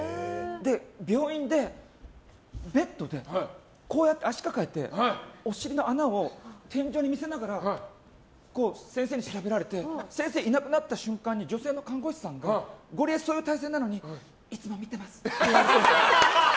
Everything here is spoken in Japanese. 病院でベッドで、足抱えてお尻の穴を天井に見せながら先生に調べられて先生がいなくなった瞬間に女性の看護士さんがゴリエ、そういう体勢なのにいつも見てますって言われて。